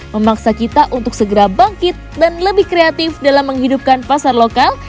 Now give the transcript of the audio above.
memaksa kita untuk segera bangkit dan lebih kreatif dalam menghidupkan pasar lokal